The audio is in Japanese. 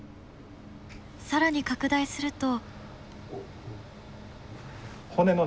更に拡大すると。